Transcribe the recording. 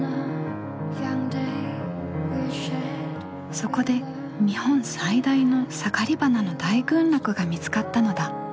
そこで日本最大のサガリバナの大群落が見つかったのだ。